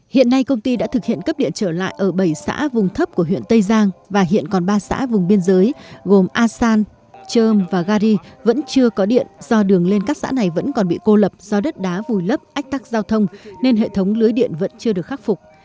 hiện nay công ty đã thực hiện cấp điện trở lại ở bảy xã vùng thấp của huyện tây giang và hiện còn ba xã vùng biên giới gồm asan trơm và gari vẫn chưa có điện do đường lên các xã này vẫn còn bị cô lập do đất đá vùi lấp ách tắc giao thông nên hệ thống lưới điện vẫn chưa được khắc phục